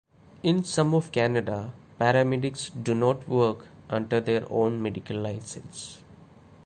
In some of Canada, paramedics do not work under their own medical license.